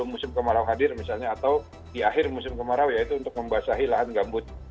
musim kemarau hadir misalnya atau di akhir musim kemarau yaitu untuk membasahi lahan gambut